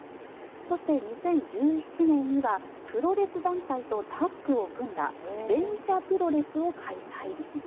そして２０１７年にはプロレス団体とタッグを組んだ「電車プロレス」を開催。